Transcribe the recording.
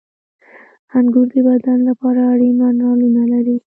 • انګور د بدن لپاره اړین منرالونه لري.